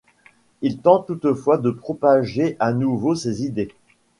Il tente toutefois de propager à nouveau ses idées.